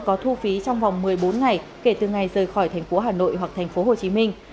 có thu phí trong vòng một mươi bốn ngày kể từ ngày rời khỏi thành phố hà nội hoặc thành phố hồ chí minh